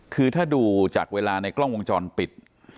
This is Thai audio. คือถ้าดูจากเวลาในกล้องวงจรปิด